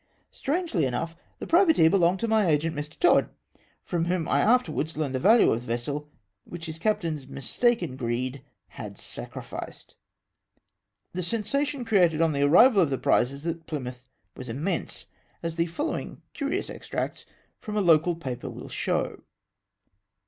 Singularly enough, the privateer belonged to my agent Mr. Teed, from whom I afterwards learned the value of the vessel wliich his captain's mistaken greed had sacrificed. The sensation created on the arrival of the prizes at Plymouth was immense, as the following curious ex tracts from a local paper will show.